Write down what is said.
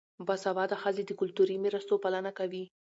باسواده ښځې د کلتوري مراسمو پالنه کوي.